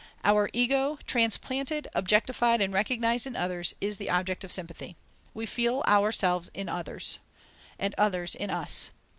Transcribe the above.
"Our ego, transplanted, objectified, and recognized in others, is the object of sympathy. We feel ourselves in others, and others in us."